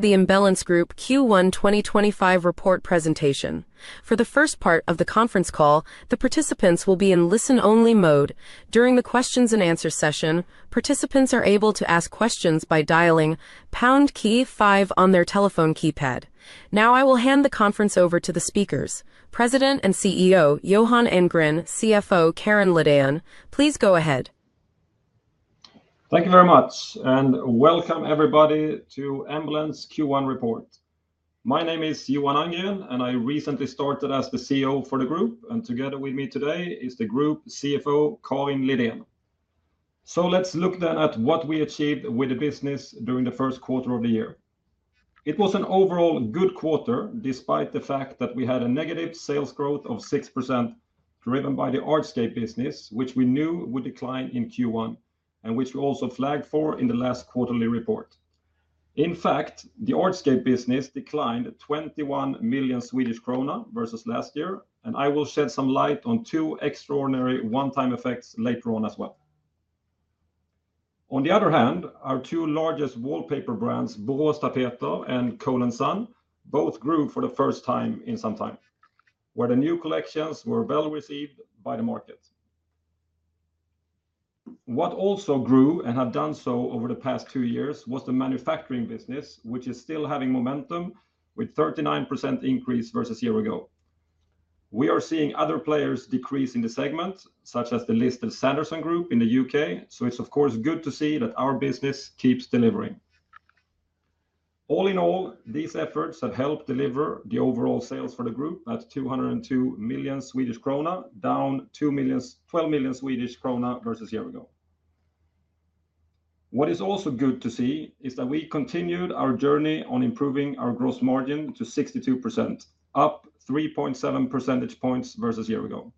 The Embellence Group Q1 2025 report presentation. For the first part of the conference call, the participants will be in listen-only mode. During the Q&A session, participants are able to ask questions by dialing #5 on their telephone keypad. Now, I will hand the conference over to the speakers. President and CEO Johan Andgren, CFO Karin Lidén, please go ahead. Thank you very much, and welcome everybody to Embellence Q1 report. My name is Johan Andgren, and I recently started as the CEO for the group, and together with me today is the Group CFO Karin Lidén. Let's look then at what we achieved with the business during the first quarter of the year. It was an overall good quarter, despite the fact that we had a negative sales growth of 6% driven by the Hardscape business, which we knew would decline in Q1, and which we also flagged for in the last quarterly report. In fact, the Hardscape business declined 21 million Swedish krona versus last year, and I will shed some light on two extraordinary one-time effects later on as well. On the other hand, our two largest wallpaper brands, Boråstapeter and Cole & Son, both grew for the first time in some time, where the new collections were well received by the market. What also grew, and had done so over the past two years, was the manufacturing business, which is still having momentum, with a 39% increase versus a year ago. We are seeing other players decrease in the segment, such as the listed Sanderson Design Group in the U.K., so it is of course good to see that our business keeps delivering. All in all, these efforts have helped deliver the overall sales for the group at 202 million Swedish krona, down 12 million Swedish krona versus a year ago. What is also good to see is that we continued our journey on improving our gross margin to 62%, up 3.7 percentage points versus a year ago.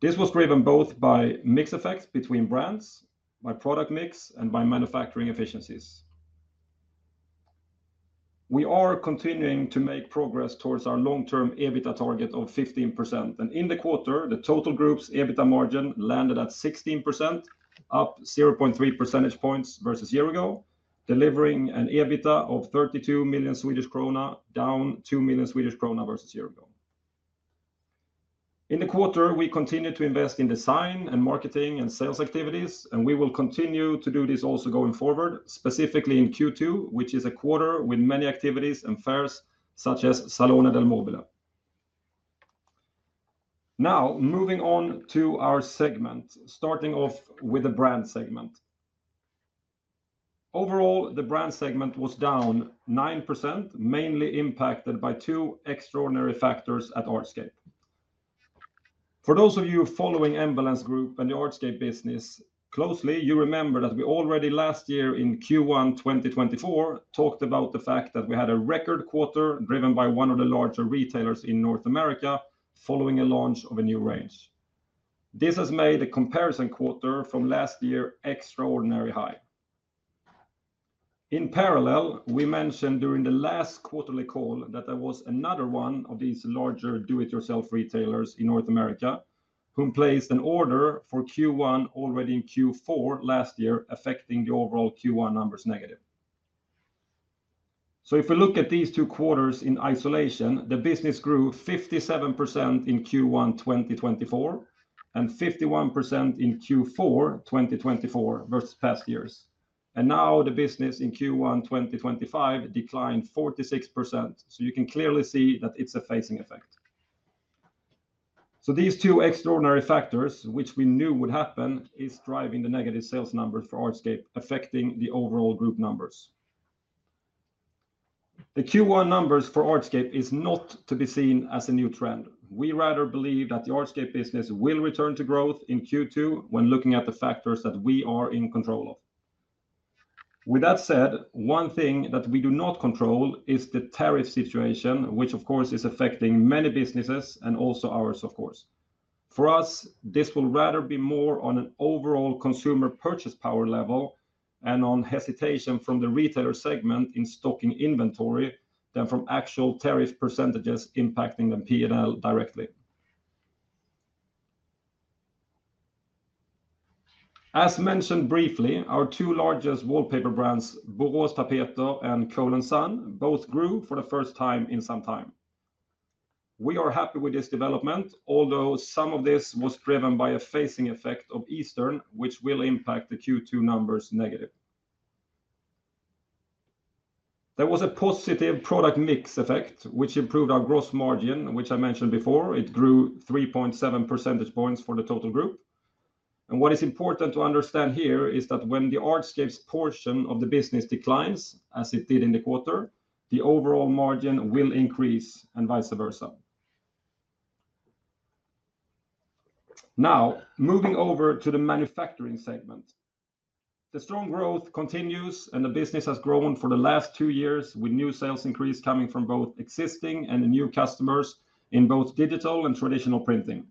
This was driven both by mix effects between brands, by product mix, and by manufacturing efficiencies. We are continuing to make progress towards our long-term EBITDA target of 15%, and in the quarter, the total group's EBITDA margin landed at 16%, up 0.3 percentage points versus a year ago, delivering an EBITDA of 32 million Swedish krona, down 2 million Swedish krona versus a year ago. In the quarter, we continue to invest in design and marketing and sales activities, and we will continue to do this also going forward, specifically in Q2, which is a quarter with many activities and fairs, such as Salone del Mobile. Now, moving on to our segment, starting off with the brand segment. Overall, the brand segment was down 9%, mainly impacted by two extraordinary factors at Hardscape. For those of you following Embellence Group and the Hardscape business closely, you remember that we already last year in Q1 2024 talked about the fact that we had a record quarter driven by one of the larger retailers in North America following a launch of a new range. This has made the comparison quarter from last year extraordinarily high. In parallel, we mentioned during the last quarterly call that there was another one of these larger do-it-yourself retailers in North America who placed an order for Q1 already in Q4 last year, affecting the overall Q1 numbers negative. If we look at these two quarters in isolation, the business grew 57% in Q1 2024 and 51% in Q4 2024 versus past years, and now the business in Q1 2025 declined 46%, so you can clearly see that it's a phasing effect. These two extraordinary factors, which we knew would happen, are driving the negative sales numbers for Hardscape, affecting the overall group numbers. The Q1 numbers for Hardscape are not to be seen as a new trend. We rather believe that the Hardscape business will return to growth in Q2 when looking at the factors that we are in control of. With that said, one thing that we do not control is the tariff situation, which of course is affecting many businesses and also ours, of course. For us, this will rather be more on an overall consumer purchase power level and on hesitation from the retailer segment in stocking inventory than from actual tariff percentages impacting the P&L directly. As mentioned briefly, our two largest wallpaper brands, Boråstapeter and Cole & Son, both grew for the first time in some time. We are happy with this development, although some of this was driven by a phasing effect of Eastern, which will impact the Q2 numbers negative. There was a positive product mix effect, which improved our gross margin, which I mentioned before. It grew 3.7 percentage points for the total group. What is important to understand here is that when the hardscape portion of the business declines, as it did in the quarter, the overall margin will increase and vice versa. Now, moving over to the manufacturing segment. The strong growth continues, and the business has grown for the last two years, with new sales increases coming from both existing and new customers in both digital and traditional printing.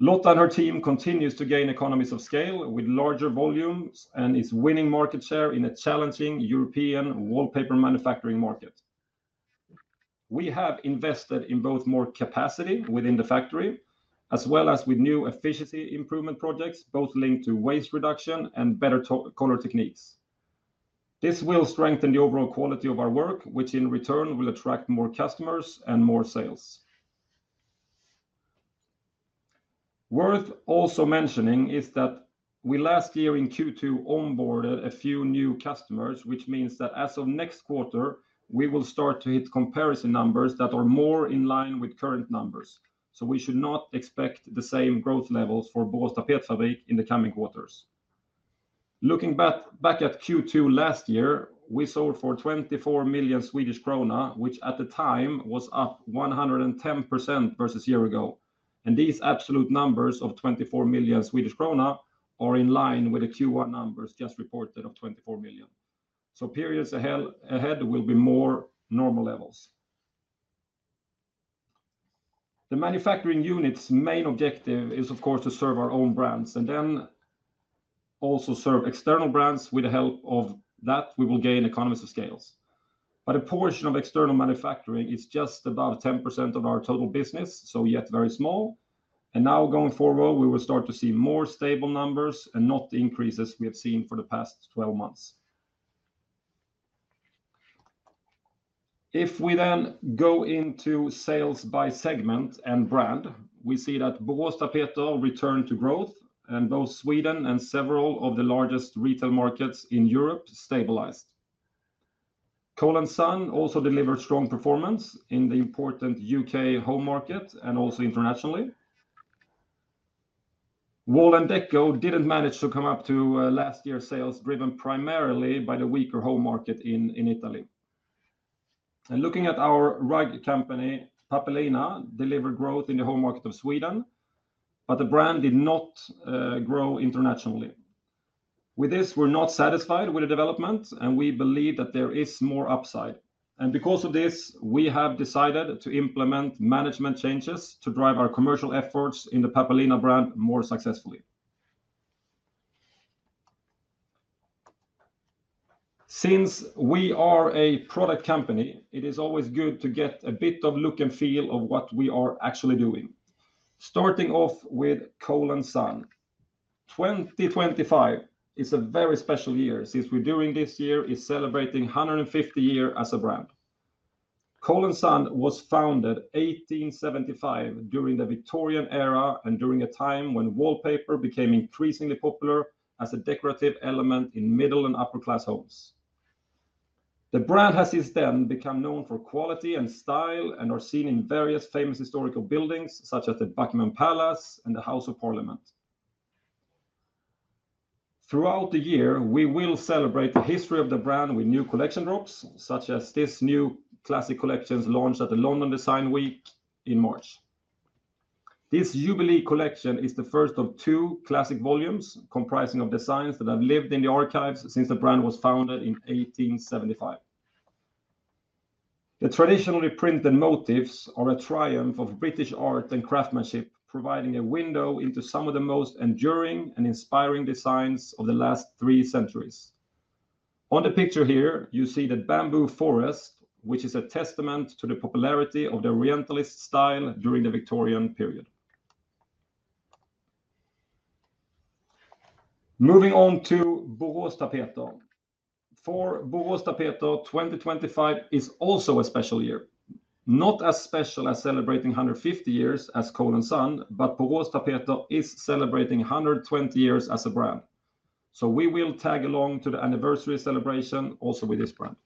Lotta and her team continue to gain economies of scale with larger volumes and are winning market share in a challenging European wallpaper manufacturing market. We have invested in both more capacity within the factory, as well as with new efficiency improvement projects, both linked to waste reduction and better color techniques. This will strengthen the overall quality of our work, which in return will attract more customers and more sales. Worth also mentioning is that we last year in Q2 onboarded a few new customers, which means that as of next quarter, we will start to hit comparison numbers that are more in line with current numbers, so we should not expect the same growth levels for Borås Tapetfabrik in the coming quarters. Looking back at Q2 last year, we sold for 24 million Swedish krona, which at the time was up 110% versus a year ago, and these absolute numbers of 24 million Swedish krona are in line with the Q1 numbers just reported of 24 million. Periods ahead will be more normal levels. The manufacturing unit's main objective is, of course, to serve our own brands and then also serve external brands. With the help of that, we will gain economies of scale. A portion of external manufacturing is just about 10% of our total business, so yet very small, and now going forward, we will start to see more stable numbers and not the increases we have seen for the past 12 months. If we then go into sales by segment and brand, we see that Boråstapeter returned to growth, and both Sweden and several of the largest retail markets in Europe stabilized. Cole & Son also delivered strong performance in the important U.K. home market and also internationally. Wall & Deco did not manage to come up to last year's sales, driven primarily by the weaker home market in Italy. Looking at our rug company, Pappelina, delivered growth in the home market of Sweden, but the brand did not grow internationally. With this, we're not satisfied with the development, and we believe that there is more upside. Because of this, we have decided to implement management changes to drive our commercial efforts in the Pappelina brand more successfully. Since we are a product company, it is always good to get a bit of look and feel of what we are actually doing. Starting off with Cole & Son, 2025 is a very special year since what we are doing this year is celebrating 150 years as a brand. Cole & Son was founded in 1875 during the Victorian era and during a time when wallpaper became increasingly popular as a decorative element in middle and upper-class homes. The brand has since then become known for quality and style and is seen in various famous historical buildings such as Buckingham Palace and the House of Parliament. Throughout the year, we will celebrate the history of the brand with new collection drops, such as this new classic collection launched at London Design Week in March. This jubilee collection is the first of two classic volumes comprising designs that have lived in the archives since the brand was founded in 1875. The traditionally printed motifs are a triumph of British art and craftsmanship, providing a window into some of the most enduring and inspiring designs of the last three centuries. On the picture here, you see the Bamboo Forest, which is a testament to the popularity of the orientalist style during the Victorian period. Moving on to Boråstapeter. For Boråstapeter, 2025 is also a special year, not as special as celebrating 150 years as Cole & Son, but Boråstapeter is celebrating 120 years as a brand. We will tag along to the anniversary celebration also with this brand.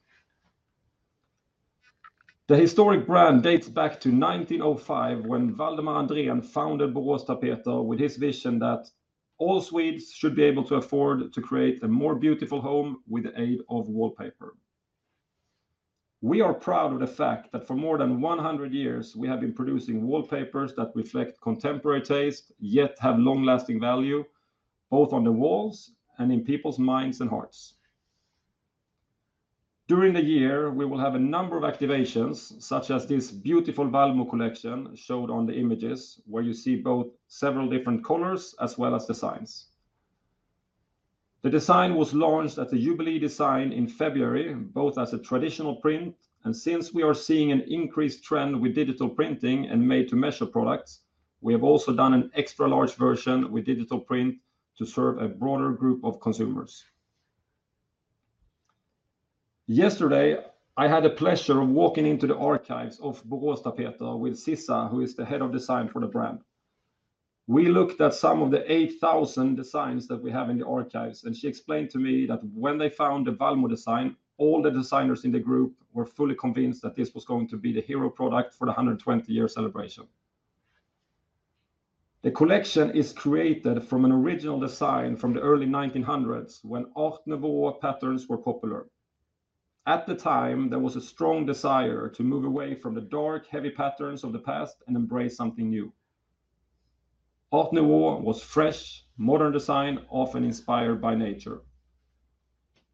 The historic brand dates back to 1905 when Valdemar Andgren founded Boråstapeter with his vision that all Swedes should be able to afford to create a more beautiful home with the aid of wallpaper. We are proud of the fact that for more than 100 years, we have been producing wallpapers that reflect contemporary taste yet have long-lasting value, both on the walls and in people's minds and hearts. During the year, we will have a number of activations, such as this beautiful Valmö Collection showed on the images, where you see both several different colors as well as designs. The design was launched at the jubilee design in February, both as a traditional print, and since we are seeing an increased trend with digital printing and made-to-measure products, we have also done an extra-large version with digital print to serve a broader group of consumers. Yesterday, I had the pleasure of walking into the archives of Boråstapeter with Sissa, who is the Head of Design for the brand. We looked at some of the 8,000 designs that we have in the archives, and she explained to me that when they found the Valmö design, all the designers in the group were fully convinced that this was going to be the hero product for the 120-year celebration. The collection is created from an original design from the early 1900s when Art Nouveau patterns were popular. At the time, there was a strong desire to move away from the dark, heavy patterns of the past and embrace something new. Art Nouveau was fresh, modern design, often inspired by nature.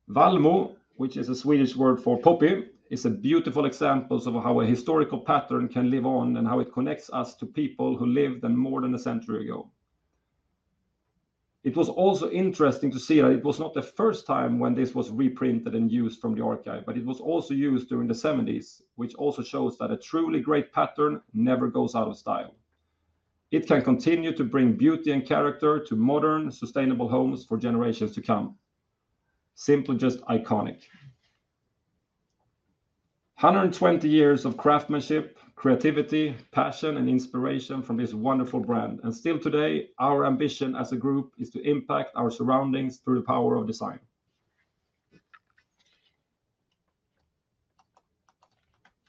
Valmö, which is a Swedish word for puppy, is a beautiful example of how a historical pattern can live on and how it connects us to people who lived more than a century ago. It was also interesting to see that it was not the first time when this was reprinted and used from the archive, but it was also used during the 1970s, which also shows that a truly great pattern never goes out of style. It can continue to bring beauty and character to modern, sustainable homes for generations to come. Simply just iconic. 120 years of craftsmanship, creativity, passion, and inspiration from this wonderful brand, and still today, our ambition as a group is to impact our surroundings through the power of design.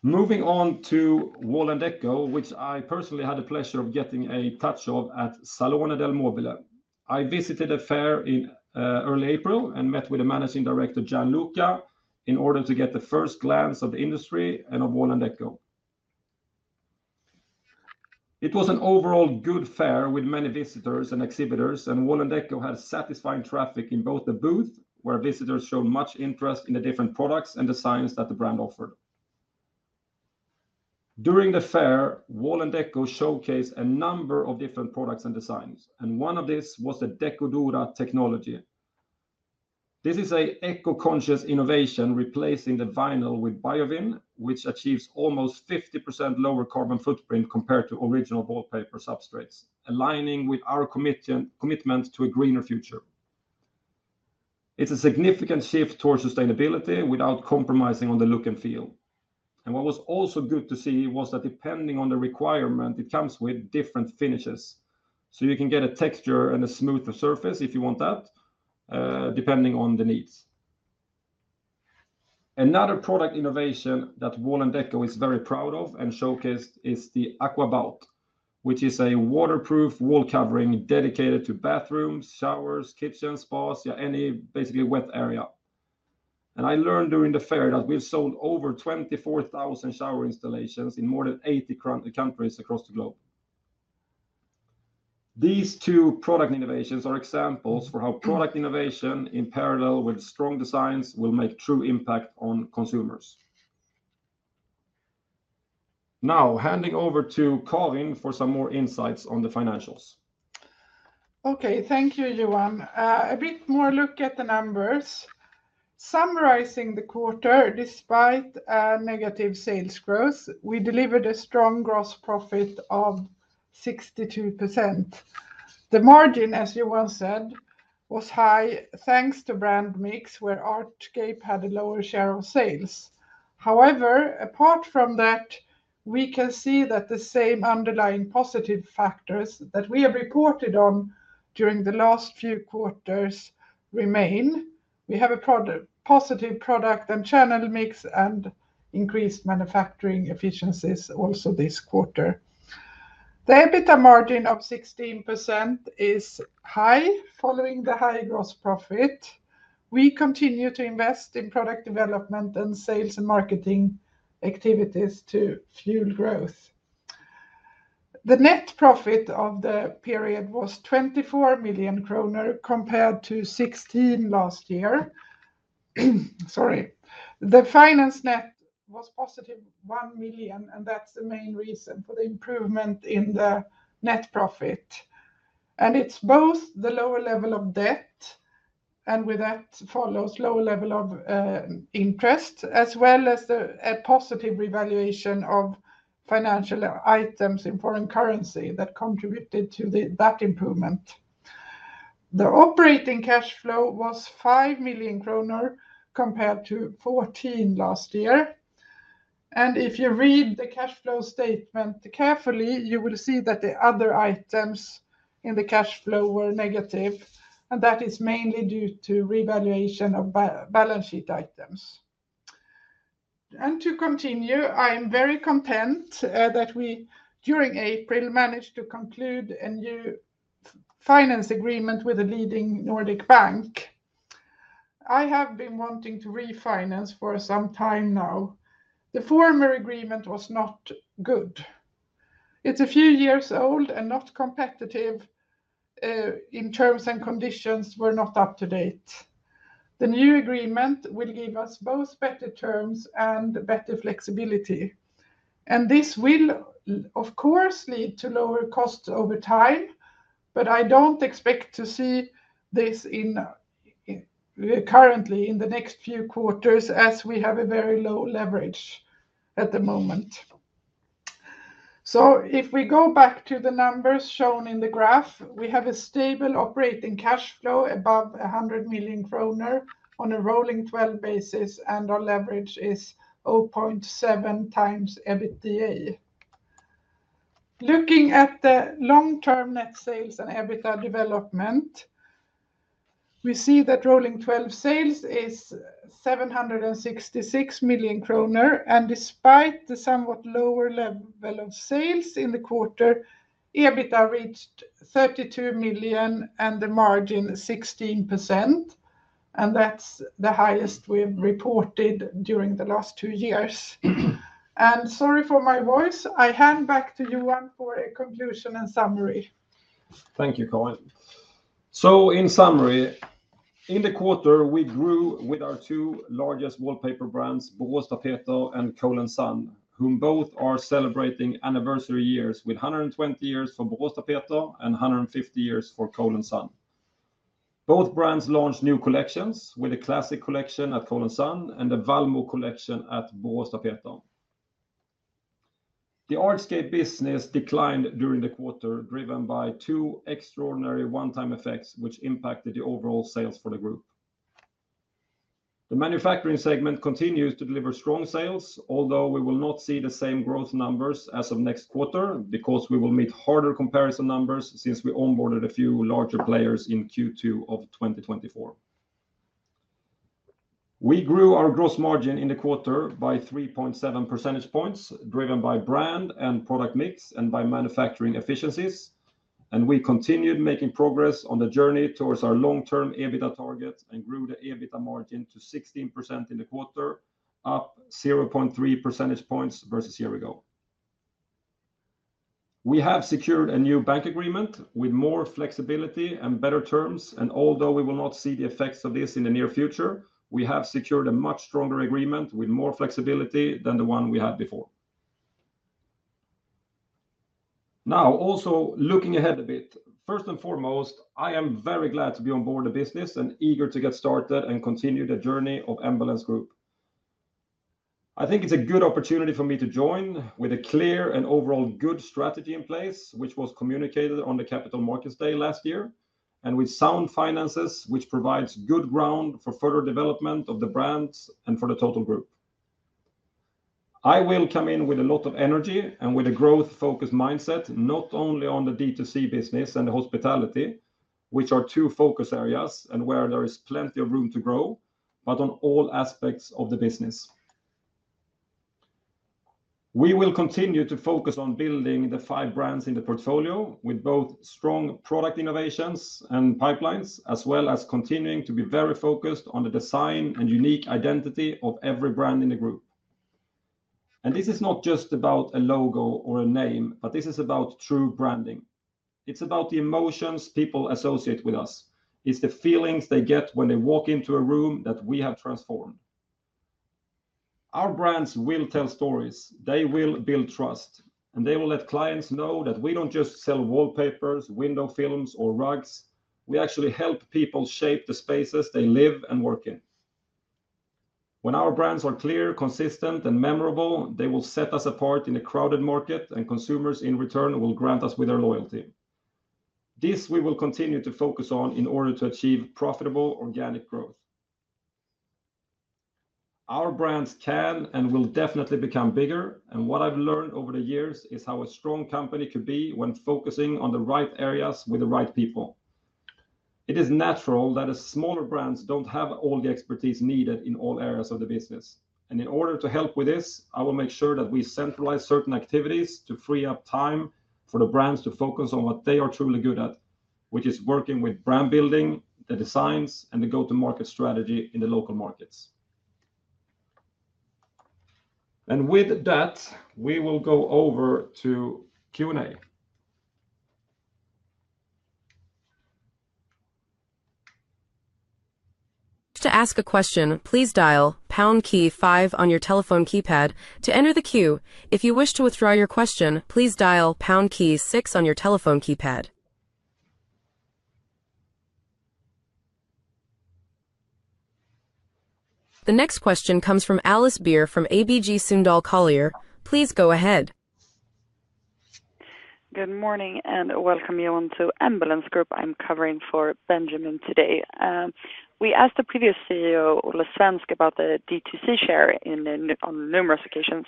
Moving on to Wall&decò, which I personally had the pleasure of getting a touch of at Salone del Mobile. I visited the fair in early April and met with the Managing Director, Jan Luka, in order to get the first glance of the industry and of Wall&decò. It was an overall good fair with many visitors and exhibitors, and Wall&decò had satisfying traffic in both the booth, where visitors showed much interest in the different products and designs that the brand offered. During the fair, Wall&decò showcased a number of different products and designs, and one of these was the Decodura technology. This is an eco-conscious innovation replacing the vinyl with biovinyl, which achieves almost 50% lower carbon footprint compared to original wallpaper substrates, aligning with our commitment to a greener future. It is a significant shift towards sustainability without compromising on the look and feel. What was also good to see was that depending on the requirement, it comes with different finishes, so you can get a texture and a smoother surface if you want that, depending on the needs. Another product innovation that Wall&decò is very proud of and showcased is the Aquabout, which is a waterproof wall covering dedicated to bathrooms, showers, kitchens, spas, yeah, any basically wet area. I learned during the fair that we have sold over 24,000 shower installations in more than 80 countries across the globe. These two product innovations are examples for how product innovation, in parallel with strong designs, will make a true impact on consumers. Now, handing over to Karin for some more insights on the financials. Okay, thank you, Johan. A bit more look at the numbers. Summarizing the quarter, despite negative sales growth, we delivered a strong gross profit of 62%. The margin, as Johan said, was high thanks to brand mix, where Hardscape had a lower share of sales. However, apart from that, we can see that the same underlying positive factors that we have reported on during the last few quarters remain. We have a positive product and channel mix and increased manufacturing efficiencies also this quarter. The EBITDA margin of 16% is high following the high gross profit. We continue to invest in product development and sales and marketing activities to fuel growth. The net profit of the period was 24 million kronor compared to 16 million last year. Sorry. The finance net was positive 1 million, and that's the main reason for the improvement in the net profit. It is both the lower level of debt, and with that follows a lower level of interest, as well as a positive revaluation of financial items in foreign currency that contributed to that improvement. The operating cash flow was 5 million kronor compared to 14 million last year. If you read the cash flow statement carefully, you will see that the other items in the cash flow were negative, and that is mainly due to revaluation of balance sheet items. To continue, I am very content that we, during April, managed to conclude a new finance agreement with a leading Nordic bank. I have been wanting to refinance for some time now. The former agreement was not good. It's a few years old and not competitive in terms and conditions were not up to date. The new agreement will give us both better terms and better flexibility. This will, of course, lead to lower costs over time, but I don't expect to see this currently in the next few quarters as we have a very low leverage at the moment. If we go back to the numbers shown in the graph, we have a stable operating cash flow above 100 million kronor on a rolling 12 basis, and our leverage is 0.7 times EBITDA. Looking at the long-term net sales and EBITDA development, we see that rolling 12 sales is 766 million kronor, and despite the somewhat lower level of sales in the quarter, EBITDA reached 32 million and the margin 16%, and that's the highest we've reported during the last two years. Sorry for my voice, I hand back to Johan for a conclusion and summary. Thank you, Karin. In summary, in the quarter, we grew with our two largest wallpaper brands, Boråstapeter and Cole & Son, whom both are celebrating anniversary years with 120 years for Boråstapeter and 150 years for Cole & Son. Both brands launched new collections with a classic collection at Cole & Son and a Valmö Collection at Boråstapeter. The Hardscape business declined during the quarter, driven by two extraordinary one-time effects which impacted the overall sales for the group. The manufacturing segment continues to deliver strong sales, although we will not see the same growth numbers as of next quarter because we will meet harder comparison numbers since we onboarded a few larger players in Q2 of 2024. We grew our gross margin in the quarter by 3.7 percentage points, driven by brand and product mix and by manufacturing efficiencies, and we continued making progress on the journey towards our long-term EBITDA target and grew the EBITDA margin to 16% in the quarter, up 0.3 percentage points versus a year ago. We have secured a new bank agreement with more flexibility and better terms, and although we will not see the effects of this in the near future, we have secured a much stronger agreement with more flexibility than the one we had before. Now, also looking ahead a bit, first and foremost, I am very glad to be onboard the business and eager to get started and continue the journey of Embellence Group. I think it's a good opportunity for me to join with a clear and overall good strategy in place, which was communicated on the Capital Markets Day last year, and with sound finances, which provides good ground for further development of the brand and for the total group. I will come in with a lot of energy and with a growth-focused mindset, not only on the D2C business and the hospitality, which are two focus areas and where there is plenty of room to grow, but on all aspects of the business. We will continue to focus on building the five brands in the portfolio with both strong product innovations and pipelines, as well as continuing to be very focused on the design and unique identity of every brand in the group. This is not just about a logo or a name, but this is about true branding. It is about the emotions people associate with us. It is the feelings they get when they walk into a room that we have transformed. Our brands will tell stories. They will build trust, and they will let clients know that we do not just sell wallpapers, window films, or rugs. We actually help people shape the spaces they live and work in. When our brands are clear, consistent, and memorable, they will set us apart in a crowded market, and consumers, in return, will grant us with their loyalty. This we will continue to focus on in order to achieve profitable organic growth. Our brands can and will definitely become bigger, and what I've learned over the years is how a strong company could be when focusing on the right areas with the right people. It is natural that smaller brands do not have all the expertise needed in all areas of the business. In order to help with this, I will make sure that we centralize certain activities to free up time for the brands to focus on what they are truly good at, which is working with brand building, the designs, and the go-to-market strategy in the local markets. With that, we will go over to Q&A. To ask a question, please dial pound key five on your telephone keypad to enter the queue. If you wish to withdraw your question, please dial pound key six on your telephone keypad. The next question comes from Alice Beer from ABG Sundal Collier. Please go ahead. Good morning and welcome you onto Embellence Group. I'm covering for Benjamin today. We asked the previous CEO, Olle Svensk, about the D2C share on numerous occasions.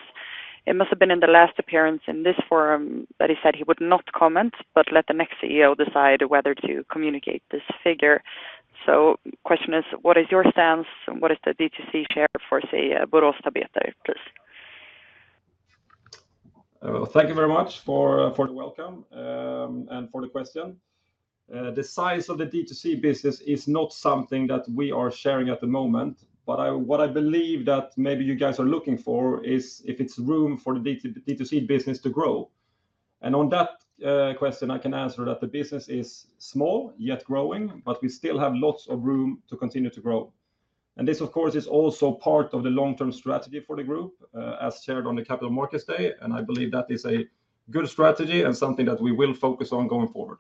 It must have been in the last appearance in this forum that he said he would not comment, but let the next CEO decide whether to communicate this figure. The question is, what is your stance and what is the D2C share for, say, Boråstapeter, please? Thank you very much for the welcome and for the question. The size of the D2C business is not something that we are sharing at the moment, but what I believe that maybe you guys are looking for is if it's room for the D2C business to grow. On that question, I can answer that the business is small yet growing, but we still have lots of room to continue to grow. This, of course, is also part of the long-term strategy for the group, as shared on the Capital Markets Day, and I believe that is a good strategy and something that we will focus on going forward.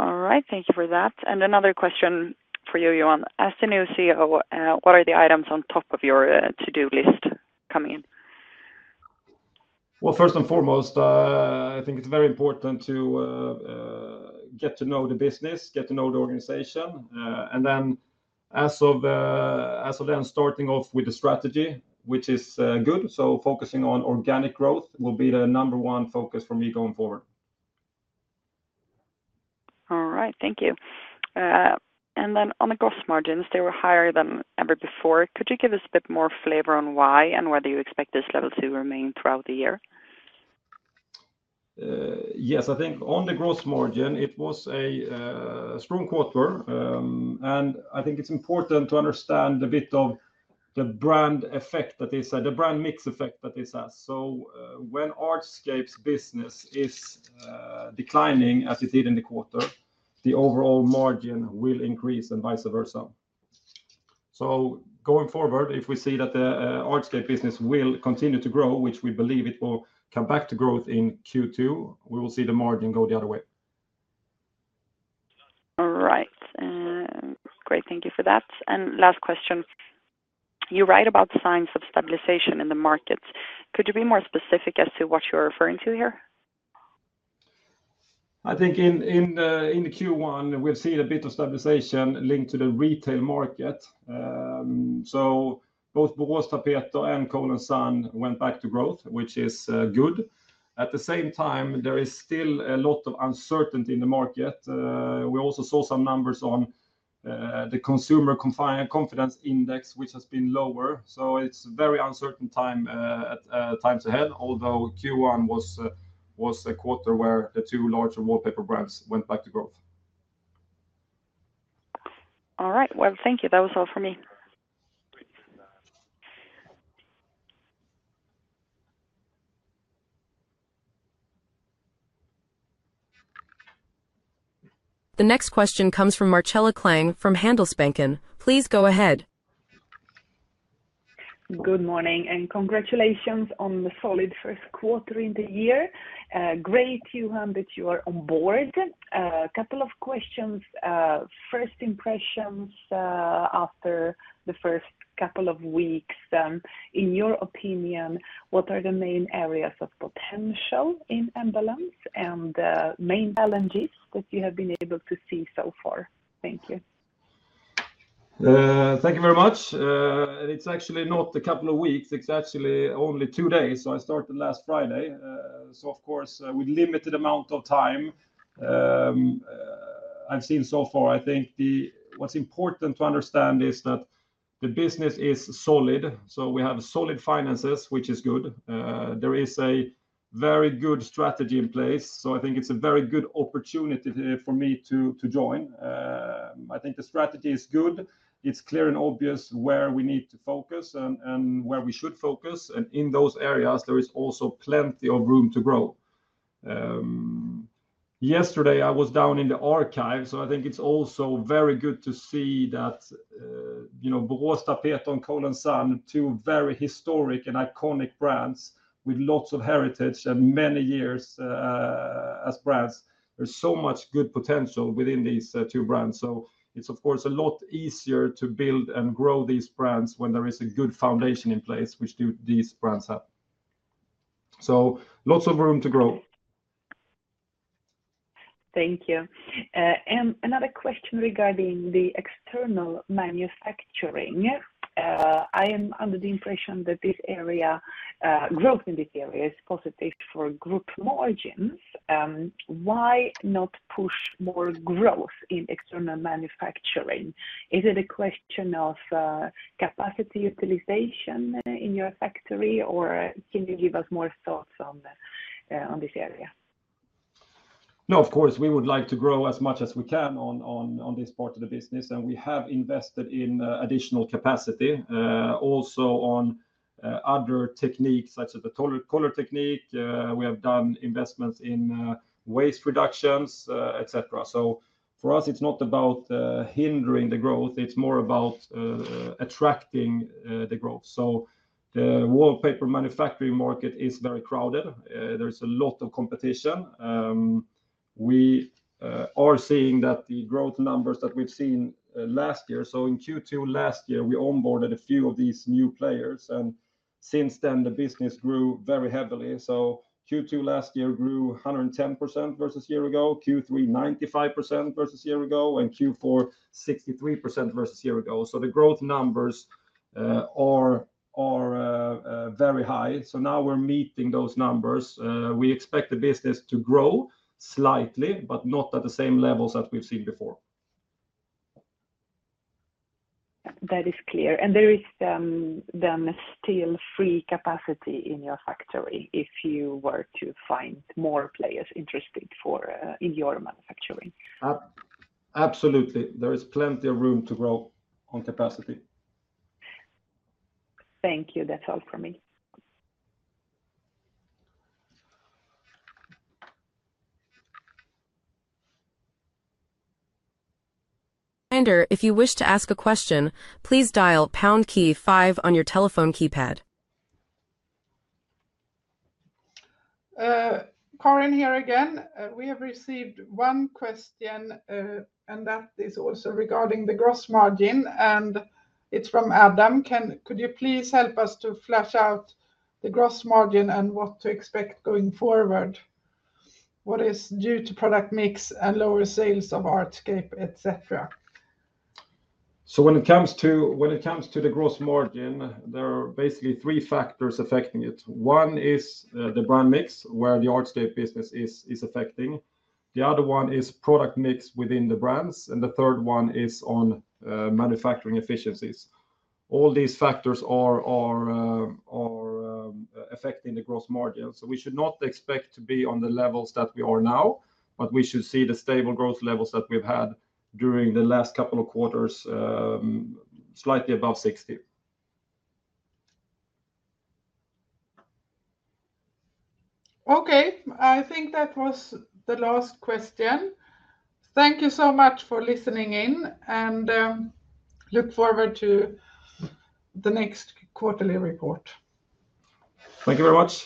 All right, thank you for that. Another question for you, Johan. As the new CEO, what are the items on top of your to-do list coming in? First and foremost, I think it's very important to get to know the business, get to know the organization, and then as of then starting off with the strategy, which is good, so focusing on organic growth will be the number one focus for me going forward. All right, thank you. And then on the gross margins, they were higher than ever before. Could you give us a bit more flavor on why and whether you expect this level to remain throughout the year? Yes, I think on the gross margin, it was a strong quarter, and I think it's important to understand a bit of the brand effect that is, the brand mix effect that this has. When Hardscape's business is declining as it did in the quarter, the overall margin will increase and vice versa. Going forward, if we see that the Hardscape business will continue to grow, which we believe it will come back to growth in Q2, we will see the margin go the other way. All right. Great, thank you for that. Last question. You write about signs of stabilization in the markets. Could you be more specific as to what you are referring to here? I think in Q1, we have seen a bit of stabilization linked to the retail market. Both Boråstapeter and Cole & Son went back to growth, which is good. At the same time, there is still a lot of uncertainty in the market. We also saw some numbers on the consumer confidence index, which has been lower. It is a very uncertain time ahead, although Q1 was a quarter where the two larger wallpaper brands went back to growth. All right, thank you. That was all for me. The next question comes from Marcela Klang from Handelsbanken. Please go ahead. Good morning and congratulations on the solid first quarter in the year. Great to have that you are onboard. A couple of questions. First impressions after the first couple of weeks. In your opinion, what are the main areas of potential in Embellence and the main challenges that you have been able to see so far? Thank you. Thank you very much. It's actually not a couple of weeks. It's actually only two days. I started last Friday. Of course, with a limited amount of time I've seen so far, I think what's important to understand is that the business is solid. We have solid finances, which is good. There is a very good strategy in place. I think it's a very good opportunity for me to join. I think the strategy is good. It's clear and obvious where we need to focus and where we should focus. In those areas, there is also plenty of room to grow. Yesterday, I was down in the archives, so I think it's also very good to see that Boråstapeter and Cole & Son, two very historic and iconic brands with lots of heritage and many years as brands, there's so much good potential within these two brands. It's, of course, a lot easier to build and grow these brands when there is a good foundation in place, which these brands have. Lots of room to grow. Thank you. Another question regarding the external manufacturing. I am under the impression that this area, growth in this area is positive for group margins. Why not push more growth in external manufacturing? Is it a question of capacity utilization in your factory, or can you give us more thoughts on this area? No, of course, we would like to grow as much as we can on this part of the business, and we have invested in additional capacity, also on other techniques such as the color technique. We have done investments in waste reductions, etc. For us, it's not about hindering the growth. It's more about attracting the growth. The wallpaper manufacturing market is very crowded. There's a lot of competition. We are seeing that the growth numbers that we've seen last year, in Q2 last year, we onboarded a few of these new players, and since then, the business grew very heavily. Q2 last year grew 110% versus a year ago, Q3 95% versus a year ago, and Q4 63% versus a year ago. The growth numbers are very high. Now we're meeting those numbers. We expect the business to grow slightly, but not at the same levels that we've seen before. That is clear. There is then still free capacity in your factory if you were to find more players interested in your manufacturing. Absolutely. There is plenty of room to grow on capacity. Thank you. That's all for me. If you wish to ask a question, please dial pound key 5 on your telephone keypad. Karin here again. We have received one question, and that is also regarding the gross margin, and it's from Adam. Could you please help us to flash out the gross margin and what to expect going forward? What is due to product mix and lower sales of hardscape, etc.? When it comes to the gross margin, there are basically three factors affecting it. One is the brand mix, where the Hardscape business is affecting. The other one is product mix within the brands, and the third one is on manufacturing efficiencies. All these factors are affecting the gross margin. We should not expect to be on the levels that we are now, but we should see the stable growth levels that we have had during the last couple of quarters, slightly above 60%. Okay. I think that was the last question. Thank you so much for listening in, and look forward to the next quarterly report. Thank you very much.